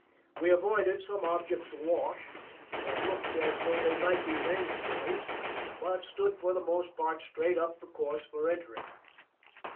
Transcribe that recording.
We avoided some objects awash that looked as though they might be range buoys, but stood for the most part straight up the course for entering.